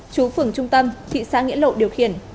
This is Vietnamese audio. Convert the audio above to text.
chú phường trung tâm thị xã nghĩa lộ điều khiển